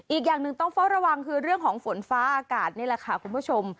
อีกอย่างหนึ่งต้องเฝ้าระวังคือเรื่องของฝนฟ้าอากาศนี่แหละค่ะคุณผู้ชม